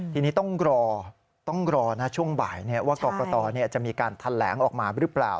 ทีนี้ต้องรอต้องรอนะช่วงบ่ายว่ากรกตจะมีการแถลงออกมาหรือเปล่า